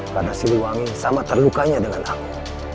karena siliwangi sama terlukanya dengan aku